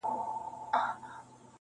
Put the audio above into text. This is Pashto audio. ستا د مخ د سپین کتاب پر هره پاڼه-